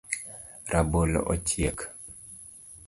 Rabolo ochiek